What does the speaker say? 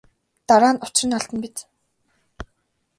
Дараа нь учир нь олдоно биз.